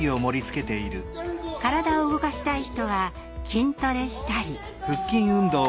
体を動かしたい人は筋トレしたり。